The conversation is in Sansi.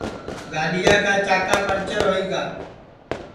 گاڈؔؔیا کا چاکا پنٚجر ہوئی گا